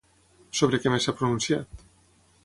Sobre què més s'ha pronunciat?